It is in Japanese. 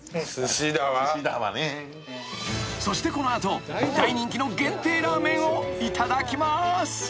［そしてこの後大人気の限定ラーメンをいただきます］